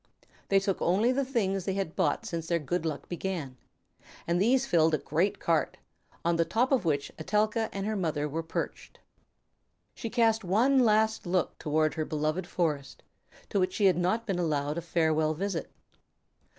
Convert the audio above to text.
They took only the things they had bought since their good luck began; but these filled a great cart, on the top of which Etelka and her mother were perched. She cast one last look toward her beloved forest, to which she had not been allowed a farewell visit.